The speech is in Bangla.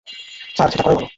স্যার, সেটা করাই ভালো।